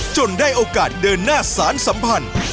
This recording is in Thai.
ได้โอกาสเดินหน้าสารสัมพันธ์